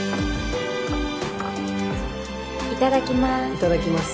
いただきます。